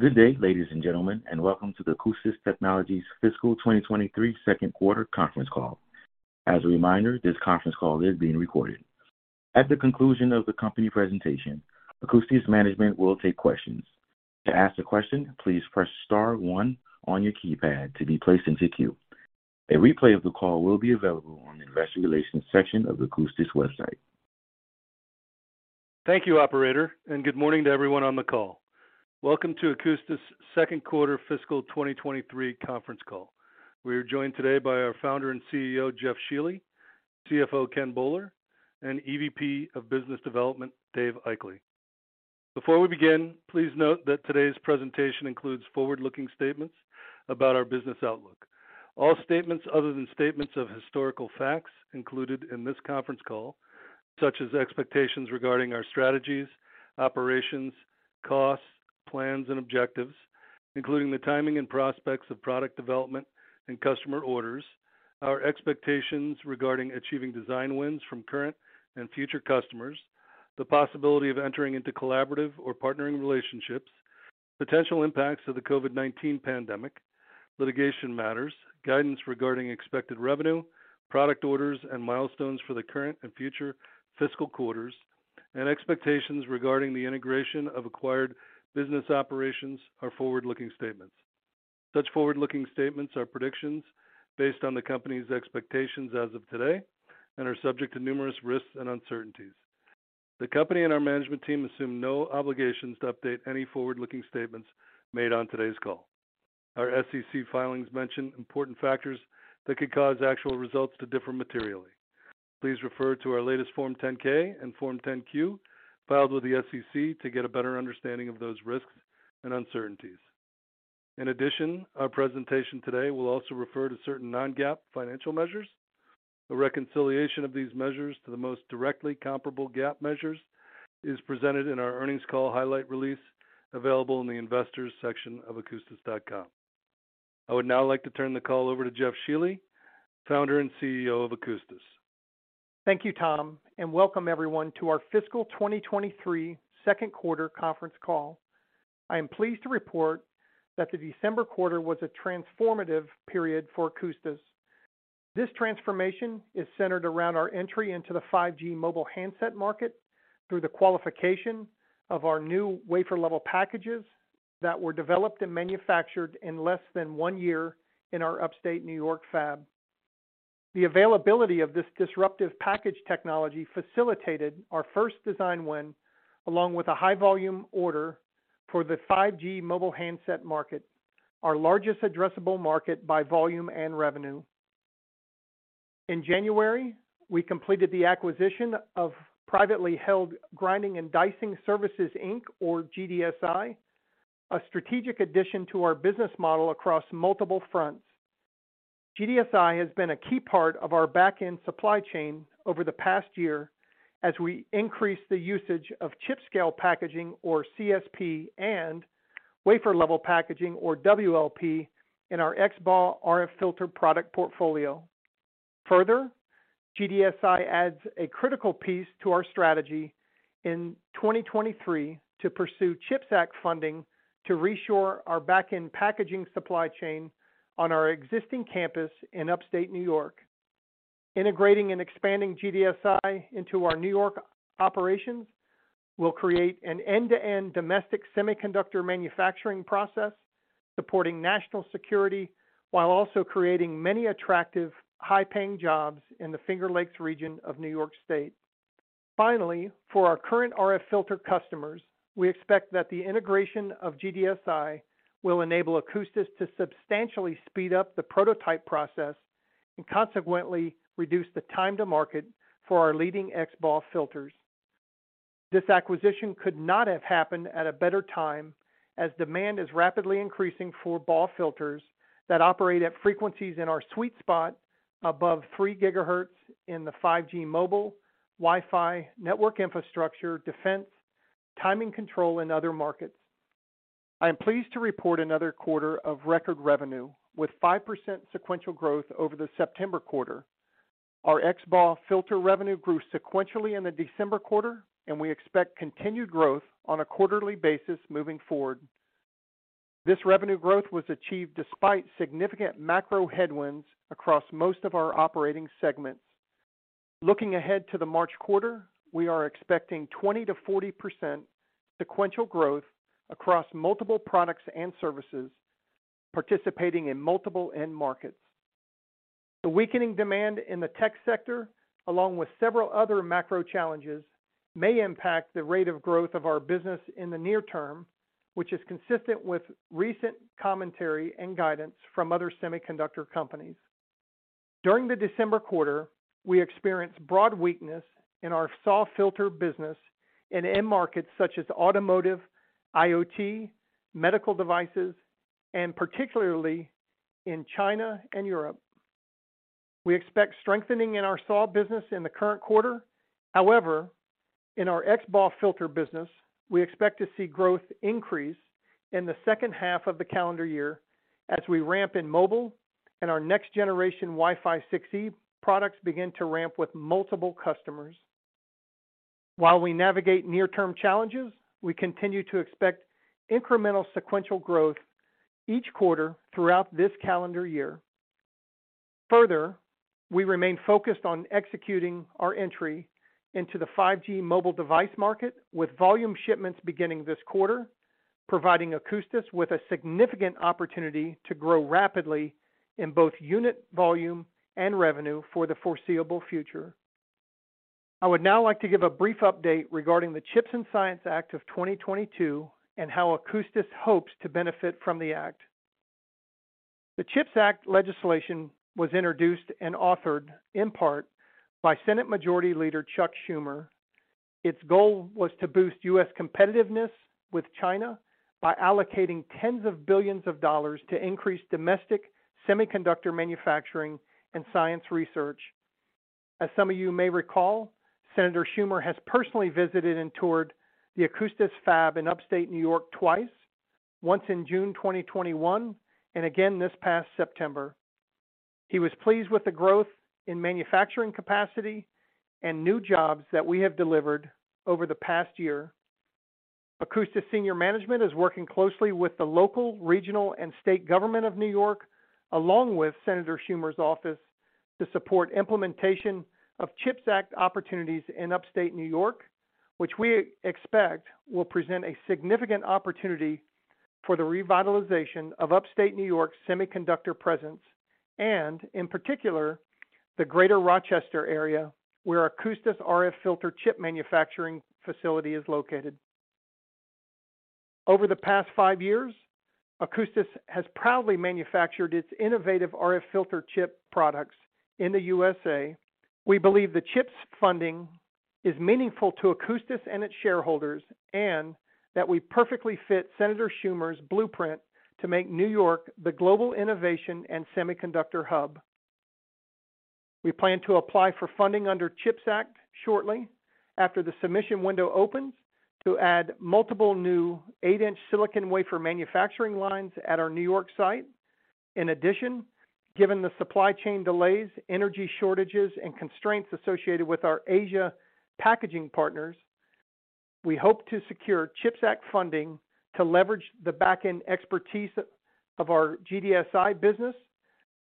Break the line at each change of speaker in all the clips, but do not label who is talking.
Good day, ladies and gentlemen, and welcome to the Akoustis Technologies Fiscal 2023 Second Quarter Conference Call. As a reminder, this conference call is being recorded. At the conclusion of the company presentation, Akoustis' management will take questions. To ask a question, please press star one on your keypad to be placed into queue. A replay of the call will be available on the Investor Relations section of Akoustis' website.
Thank you, operator. Good morning to everyone on the call. Welcome to Akoustis' second quarter fiscal 2023 conference call. We are joined today by our Founder and CEO, Jeff Shealy, CFO, Ken Boller, and EVP of Business Development, Dave Aichele. Before we begin, please note that today's presentation includes forward-looking statements about our business outlook. All statements other than statements of historical facts included in this conference call, such as expectations regarding our strategies, operations, costs, plans, and objectives, including the timing and prospects of product development and customer orders, our expectations regarding achieving design wins from current and future customers, the possibility of entering into collaborative or partnering relationships, potential impacts of the COVID-19 pandemic, litigation matters, guidance regarding expected revenue, product orders, and milestones for the current and future fiscal quarters, and expectations regarding the integration of acquired business operations are forward-looking statements. Such forward-looking statements are predictions based on the company's expectations as of today and are subject to numerous risks and uncertainties. The company and our management team assume no obligations to update any forward-looking statements made on today's call. Our SEC filings mention important factors that could cause actual results to differ materially. Please refer to our latest Form 10-K and Form 10-Q filed with the SEC to get a better understanding of those risks and uncertainties. In addition, our presentation today will also refer to certain non-GAAP financial measures. A reconciliation of these measures to the most directly comparable GAAP measures is presented in our earnings call highlight release available in the Investors section of akoustis.com. I would now like to turn the call over to Jeff Shealy, Founder and CEO of Akoustis.
Thank you, Tom, and welcome everyone to our Fiscal 2023 Second Quarter Conference Call. I am pleased to report that the December quarter was a transformative period for Akoustis. This transformation is centered around our entry into the 5G mobile handset market through the qualification of our new wafer level packages that were developed and manufactured in less than one year in our upstate New York fab. The availability of this disruptive package technology facilitated our first design win, along with a high volume order for the 5G mobile handset market, our largest addressable market by volume and revenue. In January, we completed the acquisition of privately held Grinding and Dicing Services Inc, or GDSI, a strategic addition to our business model across multiple fronts. GDSI has been a key part of our back-end supply chain over the past year as we increase the usage of chip scale packaging, or CSP, and wafer level packaging, or WLP, in our XBAW RF filter product portfolio. Further, GDSI adds a critical piece to our strategy in 2023 to pursue CHIPS Act funding to reshore our back-end packaging supply chain on our existing campus in upstate New York. Integrating and expanding GDSI into our New York operations will create an end-to-end domestic semiconductor manufacturing process supporting national security while also creating many attractive high-paying jobs in the Finger Lakes region of New York State. Finally, for our current RF filter customers, we expect that the integration of GDSI will enable Akoustis to substantially speed up the prototype process and consequently reduce the time to market for our leading XBAW filters. This acquisition could not have happened at a better time as demand is rapidly increasing for BAW filters that operate at frequencies in our sweet spot above 3 GHz in the 5G mobile, Wi-Fi, network infrastructure, defense, timing control, and other markets. I am pleased to report another quarter of record revenue with 5% sequential growth over the September quarter. Our XBAW filter revenue grew sequentially in the December quarter, and we expect continued growth on a quarterly basis moving forward. This revenue growth was achieved despite significant macro headwinds across most of our operating segments. Looking ahead to the March quarter, we are expecting 20%-40% sequential growth across multiple products and services, participating in multiple end markets. The weakening demand in the tech sector, along with several other macro challenges, may impact the rate of growth of our business in the near term, which is consistent with recent commentary and guidance from other semiconductor companies. During the December quarter, we experienced broad weakness in our SAW filter business in end markets such as automotive, IoT, medical devices, and particularly in China and Europe. We expect strengthening in our SAW business in the current quarter. In our XBAW filter business, we expect to see growth increase in the second half of the calendar year as we ramp in mobile and our next generation Wi-Fi 6E products begin to ramp with multiple customers. While we navigate near-term challenges, we continue to expect incremental sequential growth each quarter throughout this calendar year. We remain focused on executing our entry into the 5G mobile device market with volume shipments beginning this quarter, providing Akoustis with a significant opportunity to grow rapidly in both unit volume and revenue for the foreseeable future. I would now like to give a brief update regarding the CHIPS and Science Act of 2022 and how Akoustis hopes to benefit from the act. The CHIPS Act legislation was introduced and authored in part by Senate Majority Leader Chuck Schumer. Its goal was to boost U.S. competitiveness with China by allocating tens of billions of dollars to increase domestic semiconductor manufacturing and science research. As some of you may recall, Senator Schumer has personally visited and toured the Akoustis fab in upstate New York twice, once in June 2021 and again this past September. He was pleased with the growth in manufacturing capacity and new jobs that we have delivered over the past year. Akoustis senior management is working closely with the local, regional, and state government of New York, along with Chuck Schumer's office, to support implementation of CHIPS Act opportunities in upstate New York, which we expect will present a significant opportunity for the revitalization of upstate New York's semiconductor presence and, in particular, the greater Rochester area, where Akoustis' RF filter chip manufacturing facility is located. Over the past five years, Akoustis has proudly manufactured its innovative RF filter chip products in the USA. We believe the CHIPS funding is meaningful to Akoustis and its shareholders, and that we perfectly fit Chuck Schumer's blueprint to make New York the global innovation and semiconductor hub. We plan to apply for funding under CHIPS Act shortly after the submission window opens to add multiple new eight-inch silicon wafer manufacturing lines at our New York site. Given the supply chain delays, energy shortages, and constraints associated with our Asia packaging partners, we hope to secure CHIPS Act funding to leverage the back-end expertise of our GDSI business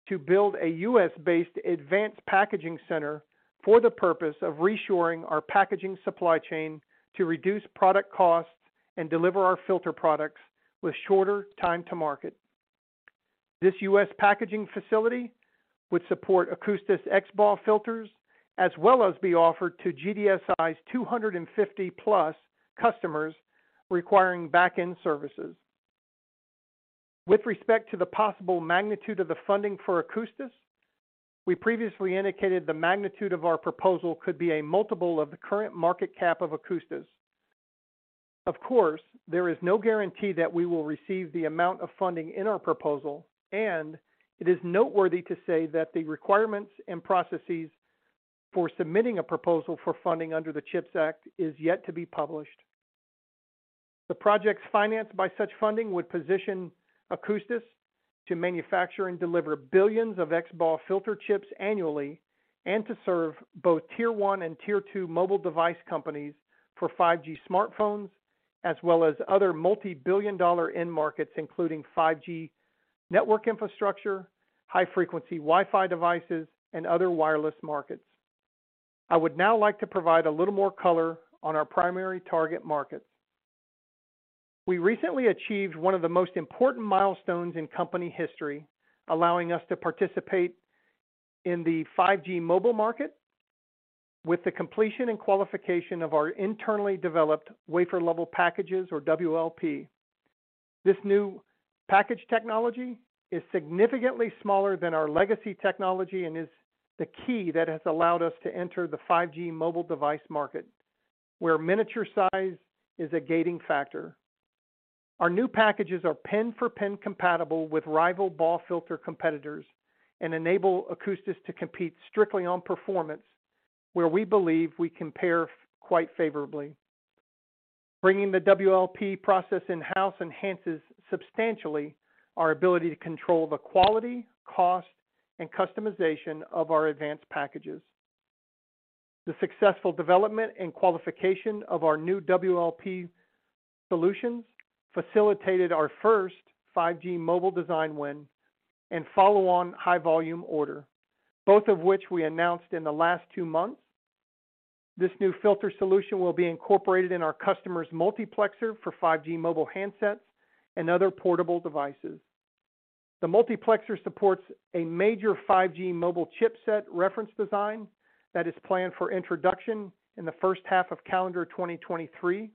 to build a U.S.-based advanced packaging center for the purpose of reshoring our packaging supply chain to reduce product costs and deliver our filter products with shorter time to market. This U.S. packaging facility would support Akoustis XBAW filters, as well as be offered to GDSI's 250-plus customers requiring back-end services. With respect to the possible magnitude of the funding for Akoustis, we previously indicated the magnitude of our proposal could be a multiple of the current market cap of Akoustis. Of course, there is no guarantee that we will receive the amount of funding in our proposal, and it is noteworthy to say that the requirements and processes for submitting a proposal for funding under the CHIPS Act is yet to be published. The projects financed by such funding would position Akoustis to manufacture and deliver billions of XBAW filter chips annually and to serve both Tier-1 and Tier-2 mobile device companies for 5G smartphones, as well as other multi-billion dollar end markets, including 5G network infrastructure, high-frequency Wi-Fi devices, and other wireless markets. I would now like to provide a little more color on our primary target markets. We recently achieved one of the most important milestones in company history, allowing us to participate in the 5G mobile market with the completion and qualification of our internally developed wafer-level packages, or WLP. This new package technology is significantly smaller than our legacy technology and is the key that has allowed us to enter the 5G mobile device market, where miniature size is a gating factor. Our new packages are pin-for-pin compatible with rival ball filter competitors and enable Akoustis to compete strictly on performance, where we believe we compare quite favorably. Bringing the WLP process in-house enhances substantially our ability to control the quality, cost, and customization of our advanced packages. The successful development and qualification of our new WLP solutions facilitated our first 5G mobile design win and follow-on high-volume order, both of which we announced in the last two months. This new filter solution will be incorporated in our customer's multiplexer for 5G mobile handsets and other portable devices. The multiplexer supports a major 5G mobile chipset reference design that is planned for introduction in the first half of calendar 2023.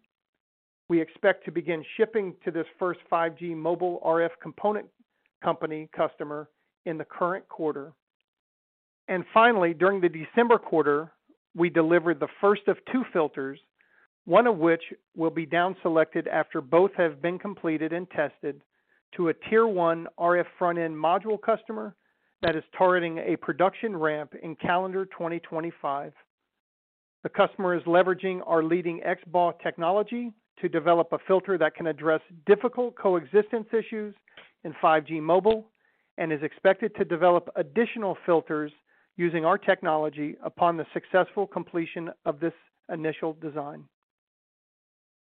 We expect to begin shipping to this first 5G mobile RF component company customer in the current quarter. Finally, during the December quarter, we delivered the first of two filters, one of which will be down-selected after both have been completed and tested, to a Tier-1 RF front-end module customer that is targeting a production ramp in calendar 2025. The customer is leveraging our leading XBAW technology to develop a filter that can address difficult coexistence issues in 5G mobile. Is expected to develop additional filters using our technology upon the successful completion of this initial design.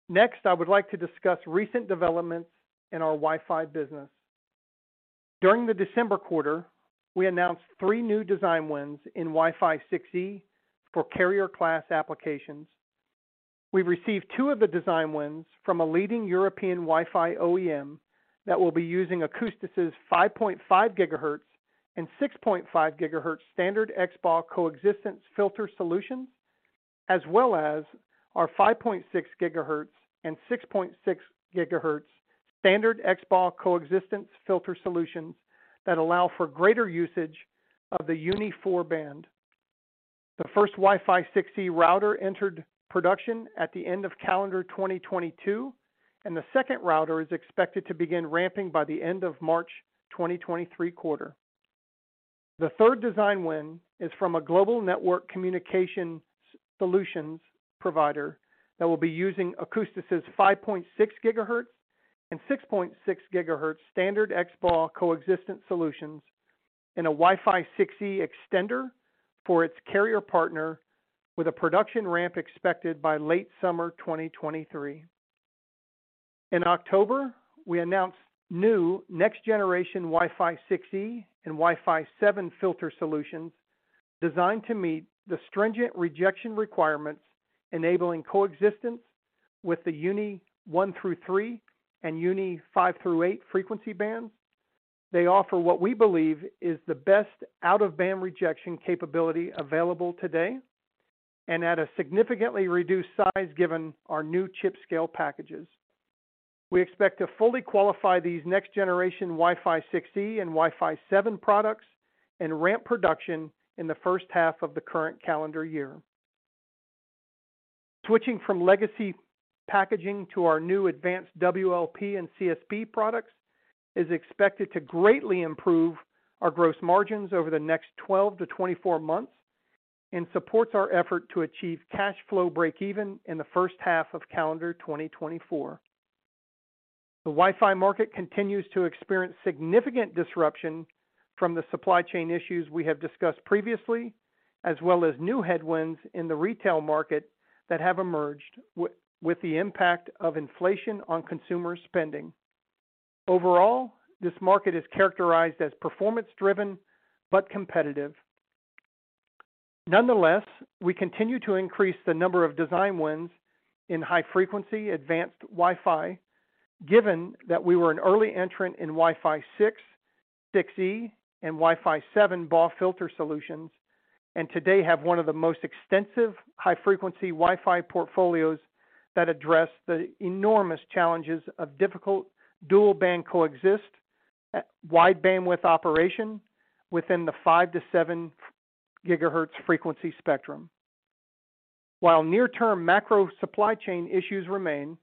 Next, I would like to discuss recent developments in our Wi-Fi business. During the December quarter, we announced three new design wins in Wi-Fi 6E for carrier class applications. We received two of the design wins from a leading European Wi-Fi OEM that will be using Akoustis' 5.5 GHz and 6.5 GHz standard XBAW coexistence filter solutions, as well as our 5.6 GHz and 6.6 GHz standard XBAW coexistence filter solutions that allow for greater usage of the U-NII-4 band. The first Wi-Fi 6E router entered production at the end of calendar 2022, and the second router is expected to begin ramping by the end of March 2023 quarter. The third design win is from a global network communications solutions provider that will be using Akoustis' 5.6 GHz and 6.6 GHz standard XBAW coexistence solutions in a Wi-Fi 6E extender for its carrier partner with a production ramp expected by late summer 2023. In October, we announced new next generation Wi-Fi 6E and Wi-Fi 7 filter solutions designed to meet the stringent rejection requirements, enabling coexistence with the U-NII-1 through 3 and U-NII-5 through 8 frequency bands. They offer what we believe is the best out-of-band rejection capability available today and at a significantly reduced size given our new chip-scale packages. We expect to fully qualify these next generation Wi-Fi 6E and Wi-Fi 7 products and ramp production in the first half of the current calendar year. Switching from legacy packaging to our new advanced WLP and CSP products is expected to greatly improve our gross margins over the next 12 to 24 months and supports our effort to achieve cash flow breakeven in the first half of calendar 2024. The Wi-Fi market continues to experience significant disruption from the supply chain issues we have discussed previously, as well as new headwinds in the retail market that have emerged with the impact of inflation on consumer spending. Overall, this market is characterized as performance-driven but competitive. Nonetheless, we continue to increase the number of design wins in high frequency advanced Wi-Fi given that we were an early entrant in Wi-Fi 6, 6E, and Wi-Fi 7 BAW filter solutions, and today have one of the most extensive high-frequency Wi-Fi portfolios that address the enormous challenges of difficult dual-band coexist, wide bandwidth operation within the 5 GHz to 7 GHz frequency spectrum. While near-term macro supply chain issues remain,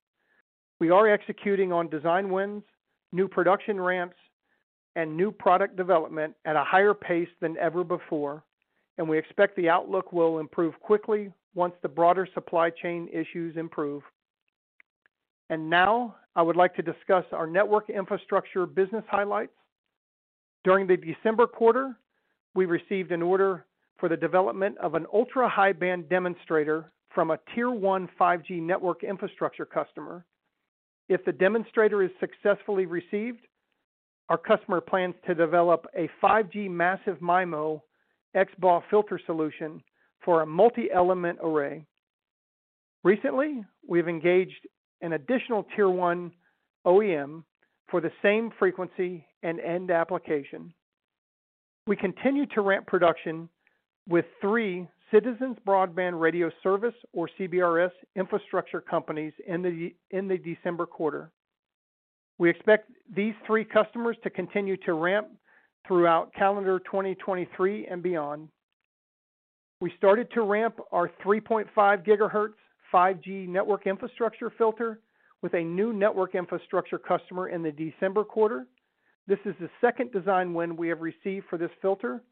we are executing on design wins, new production ramps, and new product development at a higher pace than ever before, we expect the outlook will improve quickly once the broader supply chain issues improve. Now, I would like to discuss our network infrastructure business highlights. During the December quarter, we received an order for the development of an ultra-high band demonstrator from a Tier-1 5G network infrastructure customer. If the demonstrator is successfully received, our customer plans to develop a 5G massive MIMO XBAW filter solution for a multi-element array. Recently, we've engaged an additional Tier-1 OEM for the same frequency and end application. We continue to ramp production with three Citizens Broadband Radio Service, or CBRS, infrastructure companies in the December quarter. We expect these three customers to continue to ramp throughout calendar 2023 and beyond. We started to ramp our 3.5 GHz 5G network infrastructure filter with a new network infrastructure customer in the December quarter. This is the second design win we have received for this filter.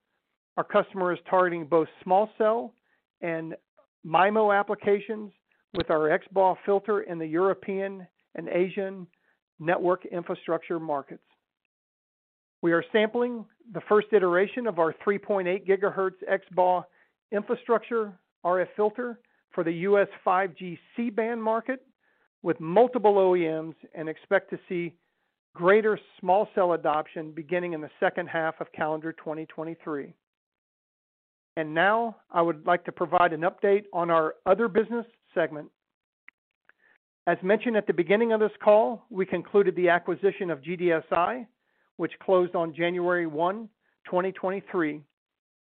Our customer is targeting both small cell and MIMO applications with our XBAW filter in the European and Asian network infrastructure markets. We are sampling the first iteration of our 3.8 GHz XBAW infrastructure RF filter for the U.S. 5G C-band market with multiple OEMs and expect to see greater small cell adoption beginning in the second half of calendar 2023. Now, I would like to provide an update on our other business segment. As mentioned at the beginning of this call, we concluded the acquisition of GDSI, which closed on January 1, 2023.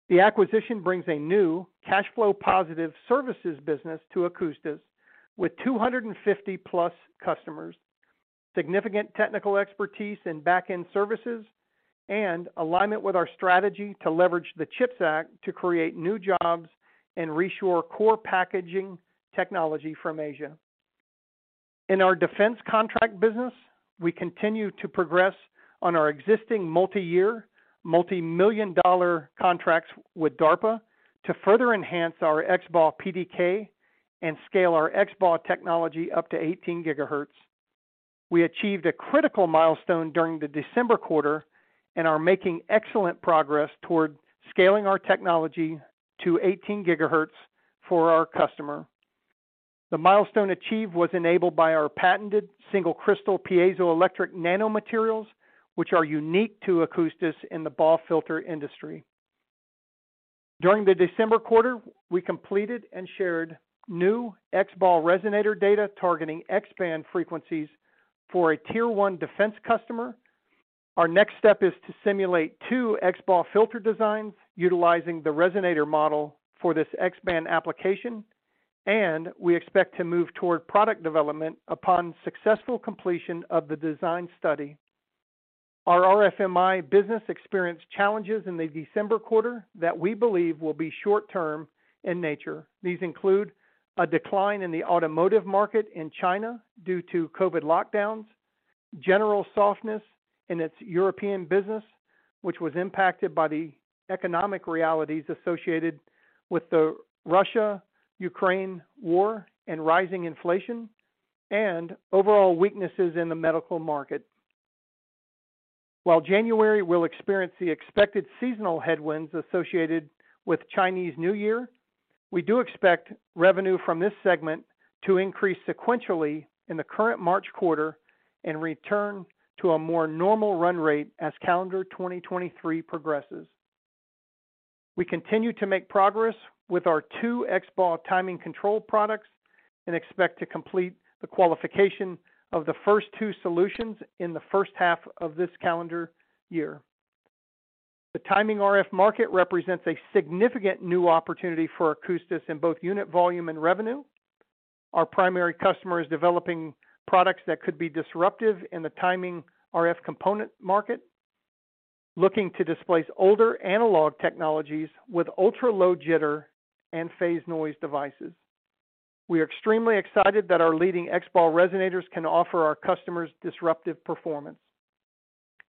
The acquisition brings a new cash flow positive services business to Akoustis with 250+ customers, significant technical expertise in back-end services, and alignment with our strategy to leverage the CHIPS Act to create new jobs and reshore core packaging technology from Asia. In our defense contract business, we continue to progress on our existing multi-year, multi-million dollar contracts with DARPA to further enhance our XBAW PDK and scale our XBAW technology up to 18 GHz. We achieved a critical milestone during the December quarter and are making excellent progress toward scaling our technology to 18 GHz for our customer. The milestone achieved was enabled by our patented single crystal piezoelectric nanomaterials, which are unique to Akoustis in the BAW filter industry. During the December quarter, we completed and shared new XBAW resonator data targeting X-band frequencies for Tier-1 defense customer. Our next step is to simulate 2 XBAW filter designs utilizing the resonator model for this X-band application. We expect to move toward product development upon successful completion of the design study. Our RFMi business experienced challenges in the December quarter that we believe will be short-term in nature. These include a decline in the automotive market in China due to COVID lockdowns, general softness in its European business, which was impacted by the economic realities associated with the Russia-Ukraine war and rising inflation, and overall weaknesses in the medical market. While January will experience the expected seasonal headwinds associated with Chinese New Year, we do expect revenue from this segment to increase sequentially in the current March quarter and return to a more normal run rate as calendar 2023 progresses. We continue to make progress with our two XBAW timing control products and expect to complete the qualification of the first two solutions in the first half of this calendar year. The timing RF market represents a significant new opportunity for Akoustis in both unit volume and revenue. Our primary customer is developing products that could be disruptive in the timing RF component market, looking to displace older analog technologies with ultra-low jitter and phase noise devices. We are extremely excited that our leading XBAW resonators can offer our customers disruptive performance.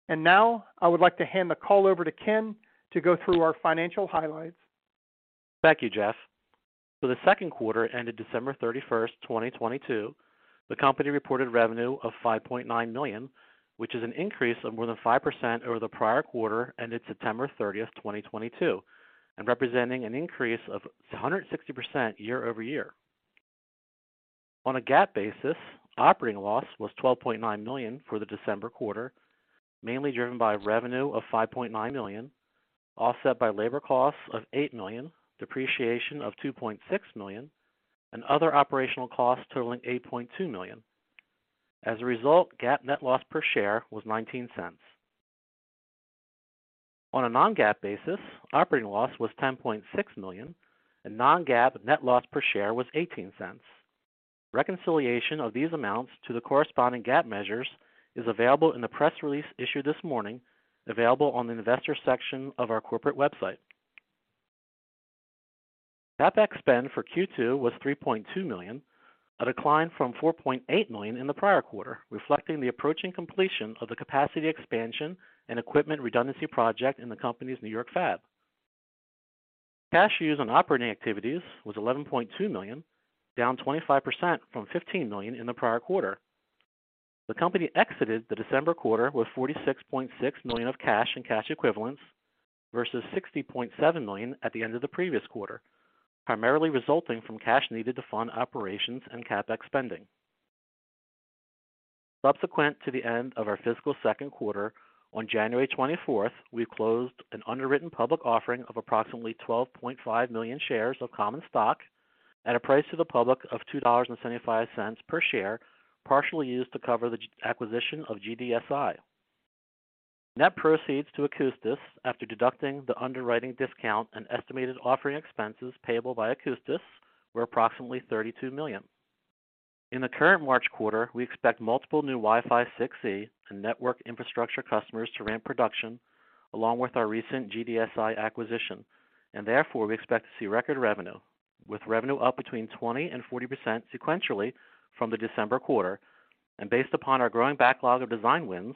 Now I would like to hand the call over to Ken to go through our financial highlights.
Thank you, Jeff. For the second quarter ended December 31st, 2022, the company reported revenue of $5.9 million, which is an increase of more than 5% over the prior quarter ended September 30th, 2022, and representing an increase of 160% year-over-year. On a GAAP basis, operating loss was $12.9 million for the December quarter, mainly driven by revenue of $5.9 million, offset by labor costs of $8 million, depreciation of $2.6 million, and other operational costs totaling $8.2 million. As a result, GAAP net loss per share was $0.19. On a non-GAAP basis, operating loss was $10.6 million, and non-GAAP net loss per share was $0.18. Reconciliation of these amounts to the corresponding GAAP measures is available in the press release issued this morning, available on the investor section of our corporate website. CapEx spend for Q2 was $3.2 million, a decline from $4.8 million in the prior quarter, reflecting the approaching completion of the capacity expansion and equipment redundancy project in the company's New York fab. Cash used on operating activities was $11.2 million, down 25% from $15 million in the prior quarter. The company exited the December quarter with $46.6 million of cash and cash equivalents versus $60.7 million at the end of the previous quarter, primarily resulting from cash needed to fund operations and CapEx spending. Subsequent to the end of our fiscal second quarter, on January 24th, we closed an underwritten public offering of approximately 12.5 million shares of common stock at a price to the public of $2.75 per share, partially used to cover the acquisition of GDSI. Net proceeds to Akoustis after deducting the underwriting discount and estimated offering expenses payable by Akoustis were approximately $32 million. In the current March quarter, we expect multiple new Wi-Fi 6E and network infrastructure customers to ramp production along with our recent GDSI acquisition. Therefore, we expect to see record revenue, with revenue up between 20% and 40% sequentially from the December quarter. Based upon our growing backlog of design wins,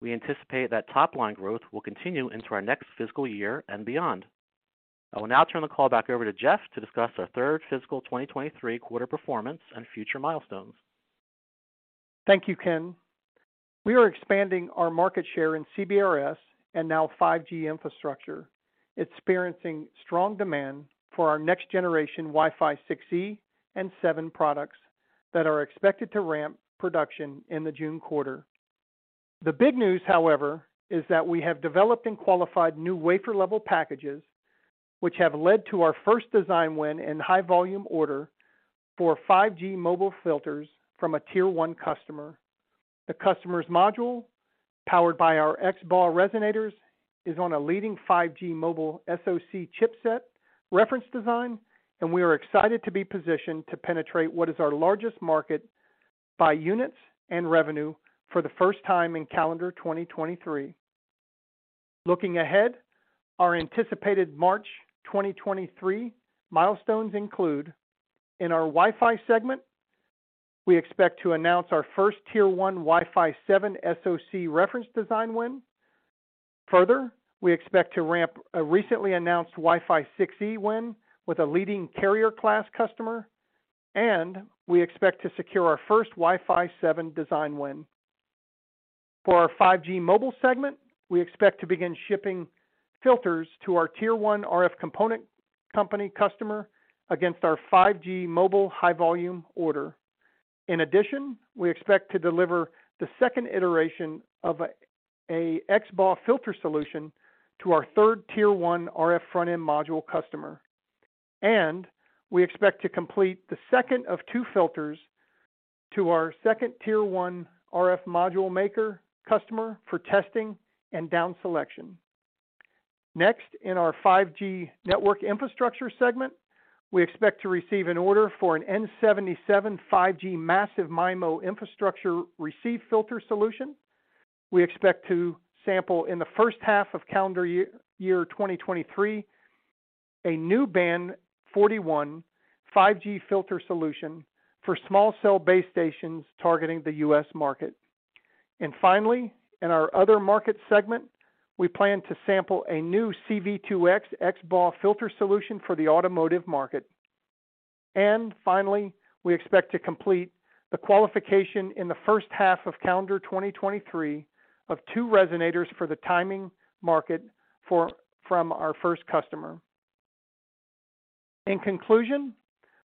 we anticipate that top-line growth will continue into our next fiscal year and beyond. I will now turn the call back over to Jeff to discuss our third fiscal 2023 quarter performance and future milestones.
Thank you, Ken. We are expanding our market share in CBRS and now 5G infrastructure, experiencing strong demand for our next generation Wi-Fi 6E and 7 products that are expected to ramp production in the June quarter. The big news, however, is that we have developed and qualified new wafer-level packages, which have led to our first design win in high volume order for 5G mobile filters from a Tier-1 customer. The customer's module, powered by our XBAW resonators, is on a leading 5G mobile SoC chipset reference design. We are excited to be positioned to penetrate what is our largest market by units and revenue for the first time in calendar 2023. Looking ahead, our anticipated March 2023 milestones include in our Wi-Fi segment, we expect to announce our Tier-1 wi-fi 7 SoC reference design win. Further, we expect to ramp a recently announced Wi-Fi 6E win with a leading carrier class customer, and we expect to secure our first Wi-Fi 7 design win. For our 5G mobile segment, we expect to begin shipping filters to Tier-1 RF component company customer against our 5G mobile high volume order. In addition, we expect to deliver the second iteration of a XBAW filter solution to our Tier-1 RF front-end module customer. We expect to complete the second of two filters to our Tier-1 RF module maker customer for testing and down selection. Next, in our 5G network infrastructure segment, we expect to receive an order for an n77 5G massive MIMO infrastructure receive filter solution. We expect to sample in the first half of calendar year 2023, a new Band 41 5G filter solution for small cell base stations targeting the U.S. market. Finally, in our other market segment, we plan to sample a new C-V2X XBAW filter solution for the automotive market. Finally, we expect to complete the qualification in the first half of calendar 2023 of two resonators for the timing market from our first customer. In conclusion,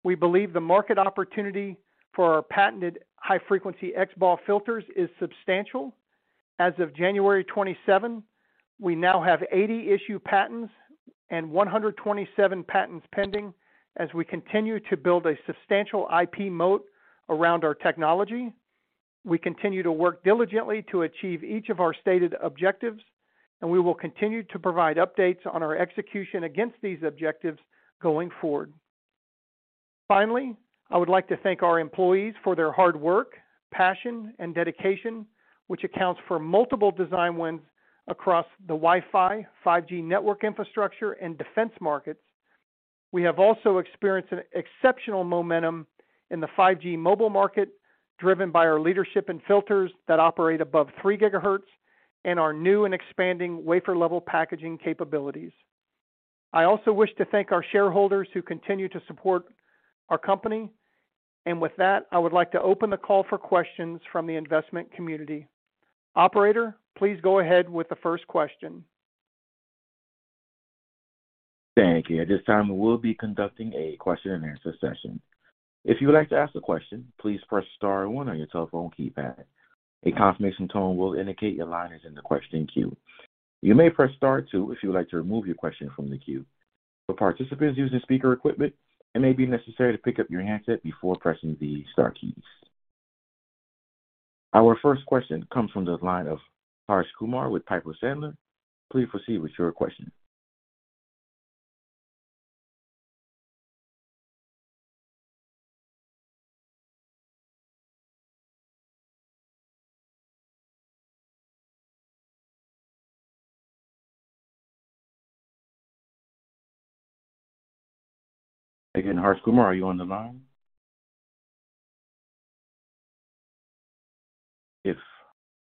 we believe the market opportunity for our patented high frequency XBAW filters is substantial. As of January 27, we now have 80 issued patents and 127 patents pending as we continue to build a substantial IP moat around our technology. We continue to work diligently to achieve each of our stated objectives, and we will continue to provide updates on our execution against these objectives going forward. Finally, I would like to thank our employees for their hard work, passion and dedication, which accounts for multiple design wins across the Wi-Fi, 5G network infrastructure and defense markets. We have also experienced an exceptional momentum in the 5G mobile market, driven by our leadership in filters that operate above 3 GHz and our new and expanding wafer-level packaging capabilities. I also wish to thank our shareholders who continue to support our company. With that, I would like to open the call for questions from the investment community. Operator, please go ahead with the first question.
Thank you. At this time, we will be conducting a question and answer session. If you would like to ask a question, please press star one on your telephone keypad. A confirmation tone will indicate your line is in the question queue. You may press star two if you would like to remove your question from the queue. For participants using speaker equipment, it may be necessary to pick up your handset before pressing the star keys. Our first question comes from the line of Harsh Kumar with Piper Sandler. Please proceed with your question. Again, Harsh Kumar, are you on the line? If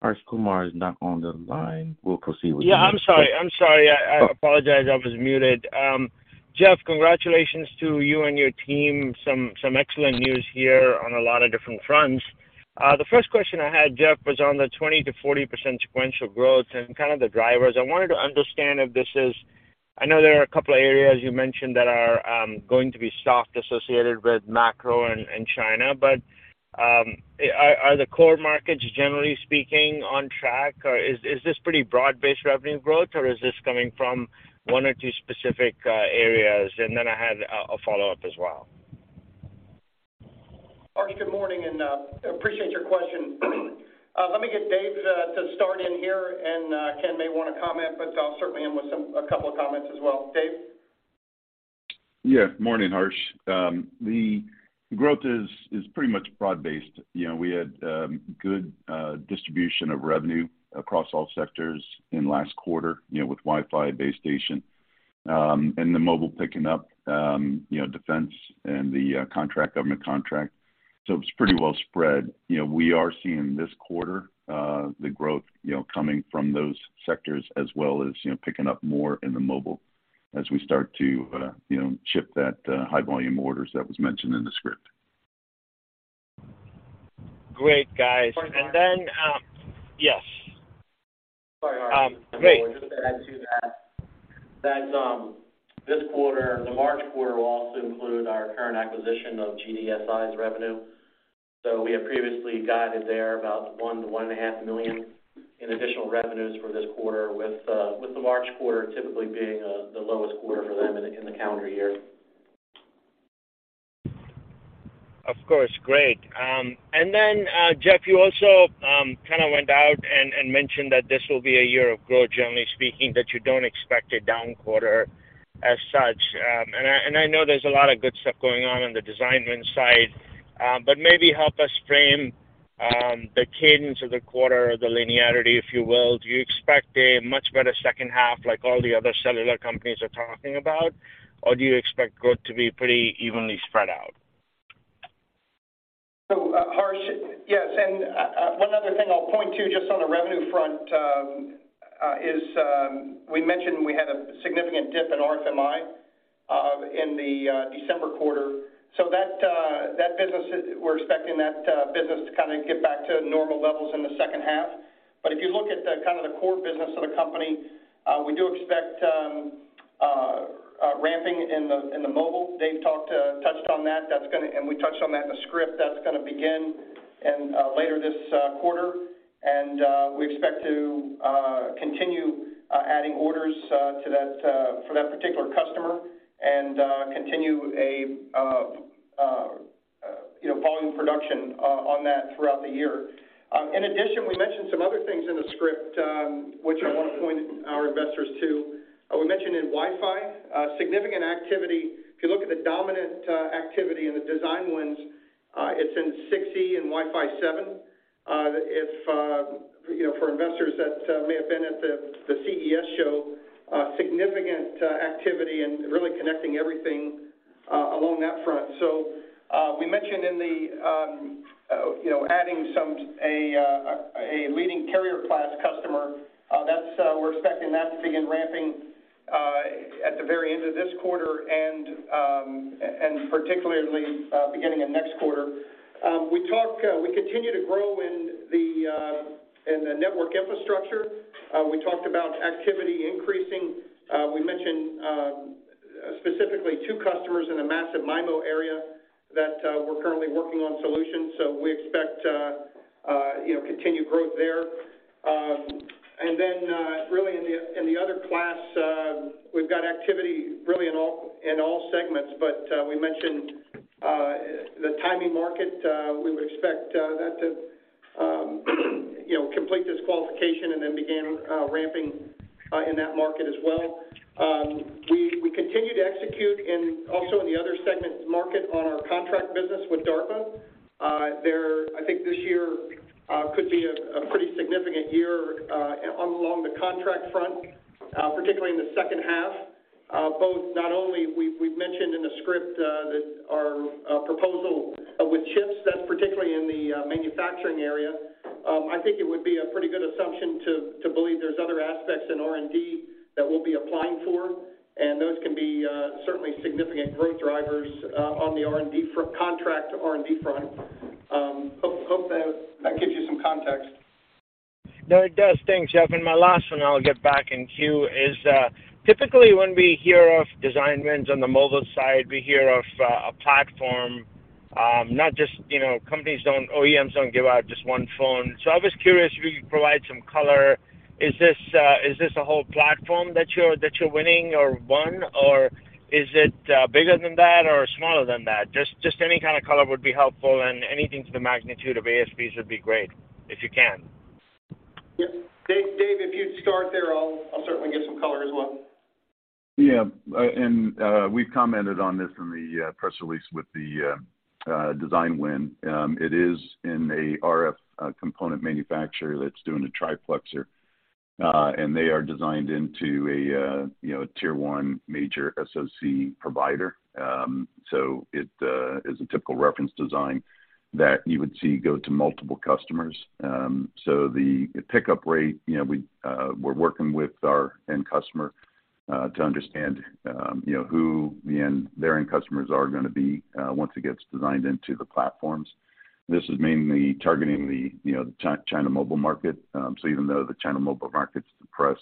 Harsh Kumar is not on the line, we'll proceed with-
I'm sorry. I'm sorry. I apologize. I was muted. Jeff, congratulations to you and your team. Some excellent news here on a lot of different fronts. The first question I had, Jeff, was on the 20%-40% sequential growth and kind of the drivers. I wanted to understand if this is I know there are a couple of areas you mentioned that are going to be soft associated with macro and China. Are the core markets, generally speaking, on track, or is this pretty broad-based revenue growth, or is this coming from one or two specific areas? I had a follow-up as well.
Harsh, good morning, and appreciate your question. Let me get Dave to start in here, and Ken may wanna comment, but I'll certainly end with a couple of comments as well. Dave?
Morning, Harsh. The growth is pretty much broad-based. You know, we had good distribution of revenue across all sectors in last quarter, you know, with Wi-Fi, base station, and the mobile picking up, you know, defense and the contract, government contract. It's pretty well spread. You know, we are seeing this quarter the growth, you know, coming from those sectors as well as, you know, picking up more in the mobile as we start to, you know, ship that high volume orders that was mentioned in the script.
Great, guys.
Sorry, Harsh.
Yes.
Sorry, Harsh.
Great.
I would just add to that this quarter, the March quarter will also include our current acquisition of GDSI's revenue. We have previously guided there about $1 million to one and a half million in additional revenues for this quarter with the March quarter typically being the lowest quarter for them in the calendar year.
Of course. Great. Jeff, you also kinda went out and mentioned that this will be a year of growth, generally speaking, that you don't expect a down quarter as such. I know there's a lot of good stuff going on in the design win side. Maybe help us frame the cadence of the quarter or the linearity, if you will. Do you expect a much better second half like all the other cellular companies are talking about, or do you expect growth to be pretty evenly spread out?
Harsh, yes, and one other thing I'll point to just on the revenue front is we mentioned we had a significant dip in RFMi in the December quarter. That business we're expecting that business to kinda get back to normal levels in the second half. If you look at the kind of the core business of the company, we do expect ramping in the mobile. Dave talked, touched on that. We touched on that in the script. That's gonna begin in later this quarter, we expect to continue adding orders to that for that particular customer and continue a, you know, volume production on that throughout the year. In addition, we mentioned some other things in the script, which I wanna point our investors to. We mentioned in Wi-Fi, significant activity. If you look at the dominant activity in the design wins, it's in 6E and Wi-Fi 7. If, you know, for investors that may have been at the CES show, significant activity and really connecting everything along that front. We mentioned in the, you know, adding a leading carrier class customer, that's we're expecting that to begin ramping at the very end of this quarter and particularly beginning of next quarter. We talked, we continue to grow in the network infrastructure. We talked about activity increasing. We mentioned specifically two customers in the massive MIMO area that we're currently working on solutions, so we expect, you know, continued growth there. Really in the other class, we've got activity really in all segments, but we mentioned the timing market. We would expect that to, you know, complete this qualification and then begin ramping in that market as well. We continue to execute also in the other segment market on our contract business with DARPA. I think this year could be a pretty significant year along the contract front, particularly in the second half, both not only we've mentioned in the script that our proposal with CHIPS, that's particularly in the manufacturing area. I think it would be a pretty good assumption to believe there's other aspects in R&D that we'll be applying for. Those can be certainly significant growth drivers on the contract R&D front. Hope that gives you some context.
No, it does. Thanks, Jeff. My last one I'll get back in queue is, typically, when we hear of design wins on the mobile side, we hear of a platform, not just, you know, OEMs don't give out just one phone. I was curious if you could provide some color. Is this a whole platform that you're winning or won? Or is it bigger than that or smaller than that? Just any kind of color would be helpful, and anything to the magnitude of ASPs would be great, if you can.
Yep. Dave, if you'd start there, I'll certainly give some color as well.
We've commented on this in the press release with the design win. It is in a RF component manufacturer that's doing a triplexer, and they are designed into a, you know, Tier-1 major SoC provider. It is a typical reference design that you would see go to multiple customers. The pickup rate, you know, we're working with our end customer to understand, you know, who their end customers are gonna be once it gets designed into the platforms. This is mainly targeting the, you know, China Mobile market. Even though the China Mobile market's depressed,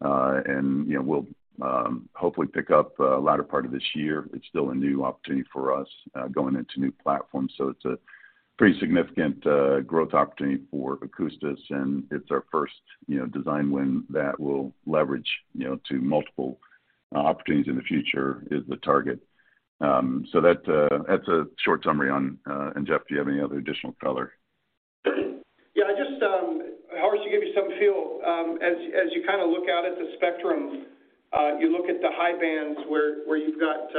and, you know, will hopefully pick up latter part of this year, it's still a new opportunity for us going into new platforms. It's a pretty significant growth opportunity for Akoustis, and it's our first, you know, design win that will leverage, you know, to multiple opportunities in the future is the target. That, that's a short summary on. Jeff, do you have any other additional color?
Yeah, I just, Harsh, to give you some feel. As you kinda look out at the spectrum, you look at the high bands where you've got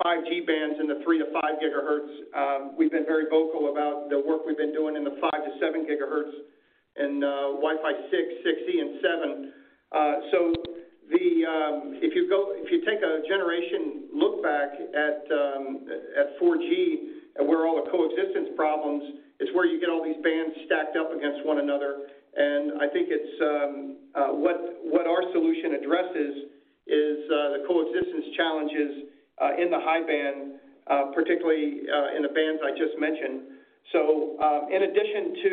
5G bands in the 3 GHz to 5 GHz. We've been very vocal about the work we've been doing in the 5 GHz to 7 GHz in Wi-Fi 6, 6E, and 7. If you take a generation look back at 4G and where all the coexistence problems, it's where you get all these bands stacked up against one another. I think it's what our solution addresses is the coexistence challenges in the high band, particularly, in the bands I just mentioned. In addition to,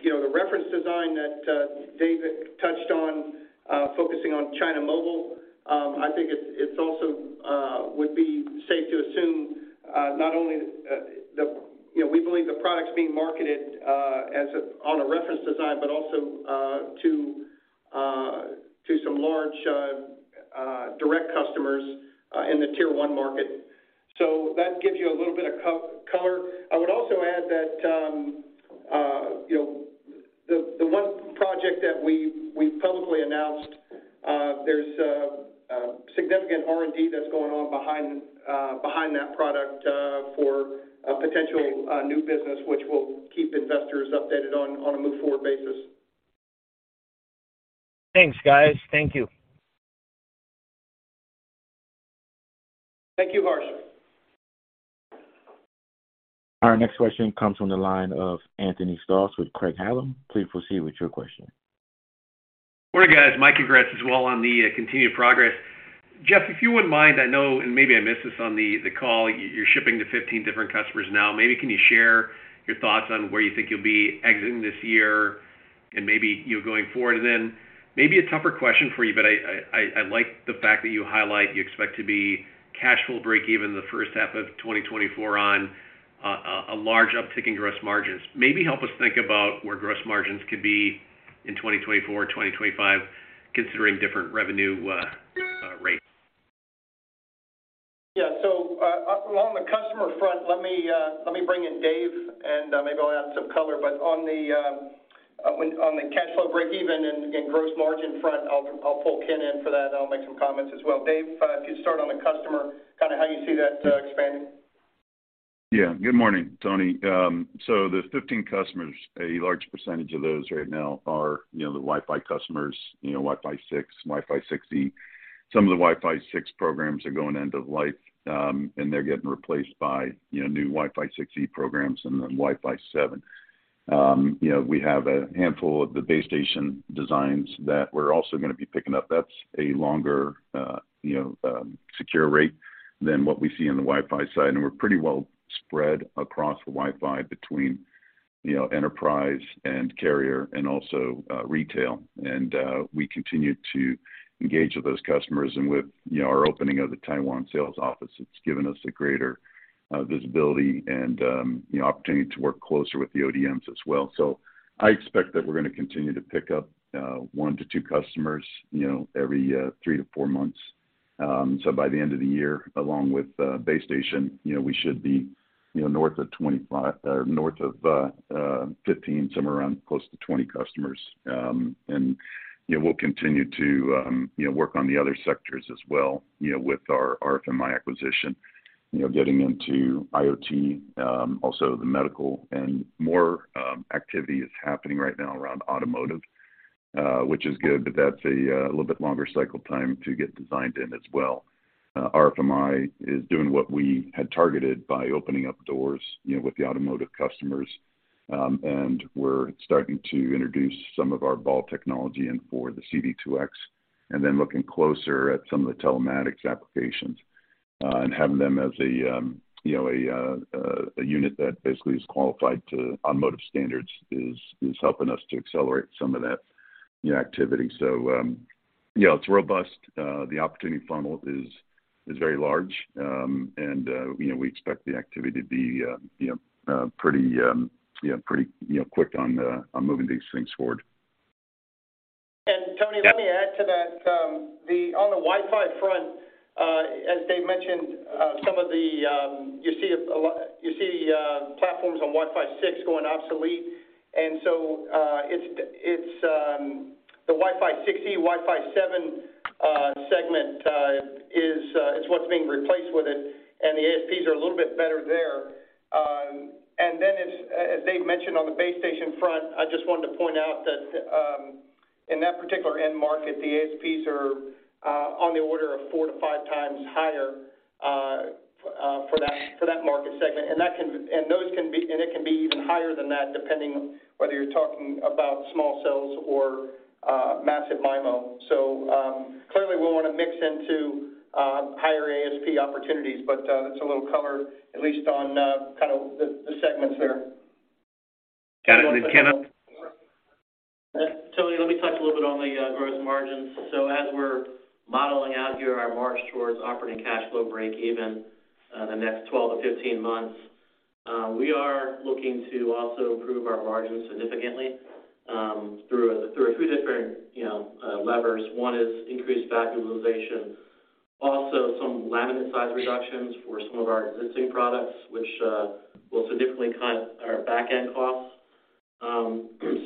you know, the reference design that Dave touched on, focusing on China Mobile, I think it's also would be safe to assume, not only, you know, we believe the product's being marketed on a reference design, but also to some large direct customers in the Tier-1 market. That gives you a little bit of co-color. I would also add that, you know, the one project that we publicly announced, there's significant R&D that's going on behind that product for a potential new business, which we'll keep investors updated on a move forward basis.
Thanks, guys. Thank you.
Thank you, Harsh.
Our next question comes from the line of Anthony Stoss with Craig-Hallum. Please proceed with your question.
Morning, guys. My congrats as well on the continued progress. Jeff, if you wouldn't mind, I know, and maybe I missed this on the call, you're shipping to 15 different customers now. Maybe can you share your thoughts on where you think you'll be exiting this year and maybe, you know, going forward? Then maybe a tougher question for you, but I like the fact that you highlight you expect to be cash flow breakeven the first half of 2024 on a large uptick in gross margins. Maybe help us think about where gross margins could be in 2024, 2025, considering different revenue rates.
On the customer front, let me bring in Dave, and maybe I'll add some color. On the cash flow breakeven and gross margin front, I'll pull Ken in for that, and I'll make some comments as well. Dave, if you start on the customer, kinda how you see that expanding.
Yeah. Good morning, Tony. The 15 customers, a large percentage of those right now are, you know, the Wi-Fi customers, you know, Wi-Fi 6, Wi-Fi 6E. Some of the Wi-Fi 6 programs are going end of life, they're getting replaced by, you know, new Wi-Fi 6E programs and then Wi-Fi 7. You know, we have a handful of the base station designs that we're also gonna be picking up. That's a longer, you know, secure rate than what we see on the Wi-Fi side, we're pretty well spread across the Wi-Fi between, you know, enterprise and carrier and also retail. We continue to engage with those customers. With, you know, our opening of the Taiwan sales office, it's given us a greater visibility and, you know, opportunity to work closer with the ODMs as well. I expect that we're gonna continue to pick up one to two customers, you know, every three to four months. By the end of the year, along with base station, you know, we should be, you know, north of 15, somewhere around close to 20 customers. You know, we'll continue to, you know, work on the other sectors as well, you know, with our RFMi acquisition, you know, getting into IoT, also the medical. More activity is happening right now around automotive, which is good, but that's a little bit longer cycle time to get designed in as well. RFMi is doing what we had targeted by opening up doors, you know, with the automotive customers. We're starting to introduce some of our BAW technology in for the C-V2X, and then looking closer at some of the telematics applications, and having them as a, you know, a unit that basically is qualified to automotive standards is helping us to accelerate some of that, you know, activity. It's robust. The opportunity funnel is very large. We expect the activity to be, you know, pretty, yeah, pretty, you know, quick on moving these things forward.
Tony, let me add to that. On the Wi-Fi front, as Dave mentioned, some of the, you see platforms on Wi-Fi 6 going obsolete. It's the Wi-Fi 6E, Wi-Fi 7 segment is what's being replaced with it, and the ASPs are a little bit better there. As Dave mentioned on the base station front, I just wanted to point out that in that particular end market, the ASPs are on the order of four to five times higher for that market segment. It can be even higher than that, depending whether you're talking about small cells or massive MIMO. Clearly, we want to mix into higher ASP opportunities, but that's a little color, at least on kind of the segments there.
Got it. Ken.
Tony, let me touch a little bit on the gross margins. As we're modeling out here our march towards operating cash flow breakeven, the next 12-15 months, we are looking to also improve our margins significantly, through a few different, you know, levers. One is increased fab utilization, also some laminate size reductions for some of our existing products, which will significantly cut our back-end costs.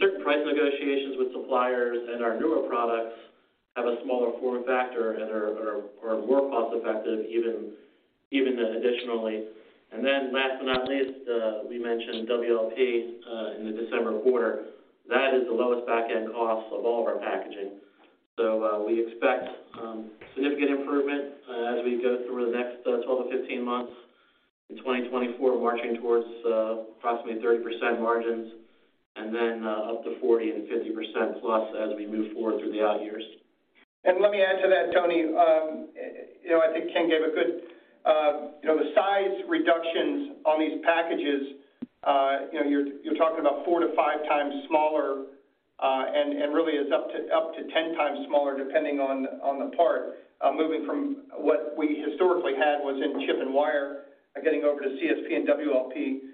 Certain price negotiations with suppliers and our newer products have a smaller form factor and are more cost-effective even additionally. Last but not least, we mentioned WLP in the December quarter. That is the lowest back-end cost of all of our packaging. We expect significant improvement as we go through the next 12-15 months in 2024, marching towards approximately 30% margins and then up to 40% and 50%-plus as we move forward through the odd years.
Let me add to that, Tony. You know, I think Ken gave a good, you know, the size reductions on these packages, you know, you're talking about four to five times smaller, and really is up to 10x smaller depending on the part, moving from what we historically had was in chip and wire, getting over to CSP and WLP.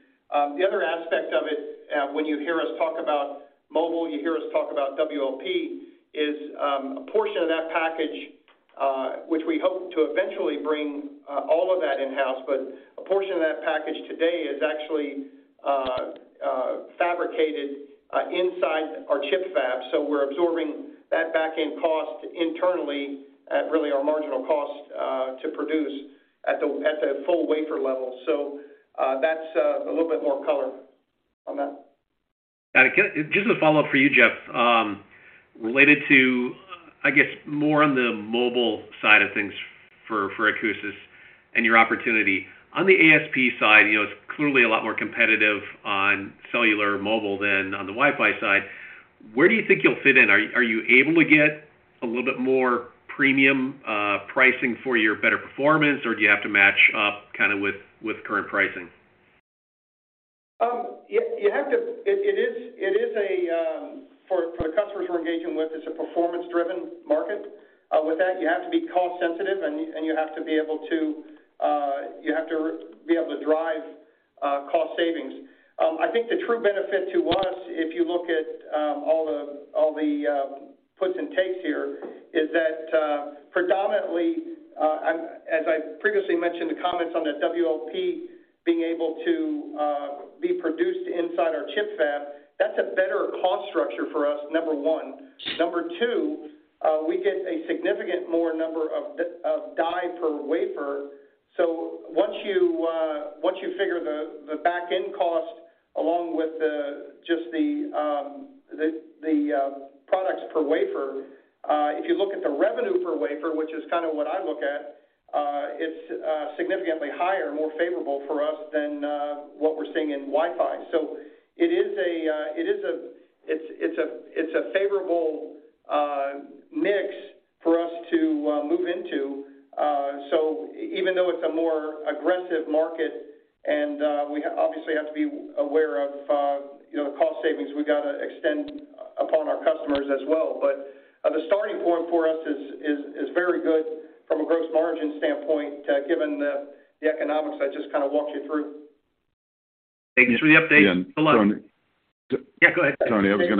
The other aspect of it, when you hear us talk about mobile, you hear us talk about WLP, is a portion of that package, which we hope to eventually bring all of that in-house, but a portion of that package today is actually fabricated inside our chip fab. We're absorbing that back-end cost internally at really our marginal cost to produce at the full wafer level.
That's a little bit more color. Got it. Just a follow-up for you, Jeff, related to, I guess, more on the mobile side of things for Akoustis and your opportunity. On the ASP side, you know, it's clearly a lot more competitive on cellular mobile than on the Wi-Fi side. Where do you think you'll fit in? Are you able to get a little bit more premium pricing for your better performance, or do you have to match up kind of with current pricing?
Yeah, you have to. It is a. For the customers we're engaging with, it's a performance-driven market. With that, you have to be cost-sensitive and you have to be able to drive cost savings. I think the true benefit to us, if you look at all the puts and takes here, is that predominantly, as I previously mentioned, the comments on the WLP being able to be produced inside our chip fab, that's a better cost structure for us, number one. Number two, we get a significant more number of die per wafer. Once you figure the back-end cost along with the just the products per wafer, if you look at the revenue per wafer, which is kind of what I look at, it's significantly higher, more favorable for us than what we're seeing in Wi-Fi. It is a favorable mix for us to move into. Even though it's a more aggressive market and we obviously have to be aware of, you know, the cost savings, we gotta extend upon our customers as well. The starting point for us is very good from a gross margin standpoint, given the economics I just kind of walked you through. Thanks for the update.
Tony.
Yeah, go ahead.
Tony, I was.
Dave.